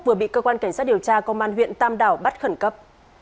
vừa bị cơ quan cảnh sát điều tra công an huyện tam đảo bắt khẩn cấp